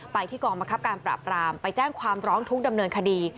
ไปที่กองบังคับการปราบรามไปแจ้งความร้องทุกข์ดำเนินคดี